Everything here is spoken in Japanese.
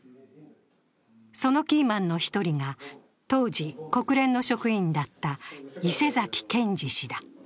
そのキーマンの１人が、当時国連の職員だった伊勢崎賢治氏だ。